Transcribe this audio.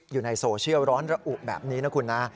อยู่ในโซเชียลร้อนระอุแบบนี้นะคุณนะ